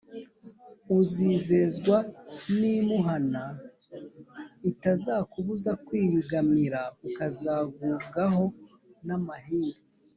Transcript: uzizezwa n’imuhana Itazakubuza kwiyugamira Ukazagubwaho n’amahindu